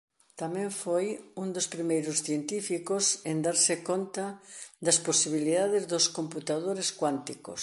Tamén foi un dos primeiros científicos en darse conta das posibilidades dos computadores cuánticos.